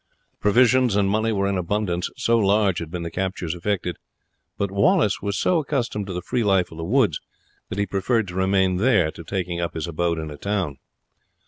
Provisions and money were in abundance, so large had been the captures effected; but Wallace was so accustomed to the free life of the woods that he preferred to remain there to taking up his abode in a town.